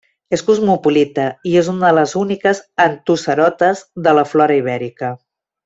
És cosmopolita i és una de les úniques antocerotes de la flora Ibèrica.